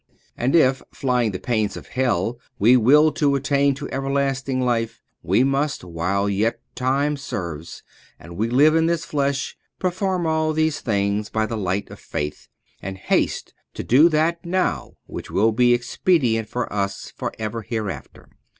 And if flying the pains of hell we will to attain to everlasting life, we must, while yet time serves, and we live in this flesh, perform all these things by the light of faith, and haste to do that now which will be expedient for us for ever hereafter.